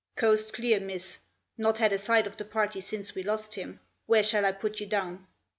" Coast clear, miss ; not had a sight of the party since we lost him. Where shall I put you down